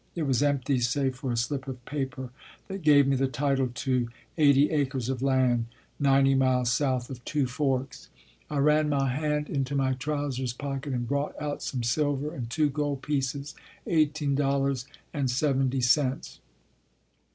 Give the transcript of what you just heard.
It was empty save for a slip of paper that gave me the title to eighty acres of land, ninety miles south of Two At Two Forks Forks. I ran my hand into my trousers pocket and brought out some silver and two gold pieces eighteen dollars and seventy cents.